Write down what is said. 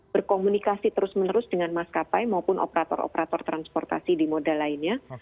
berkomunikasi terus menerus dengan maskapai maupun operator operator transportasi di modal lainnya